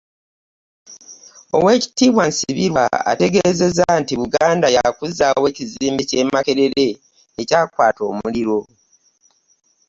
Oweekitiibwa Nsibirwa ategeezezza nti Buganda ya kuzzaawo ekizimbe ky'e Makerere ekyakwata omuliro